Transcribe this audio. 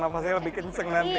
biar nafasnya lebih kenceng nanti